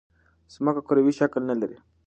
ځمکه کروی شکل نه لري.